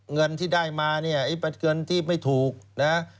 เงินที่ได้มาเนี่ยเงินที่ไม่ถูกนะครับ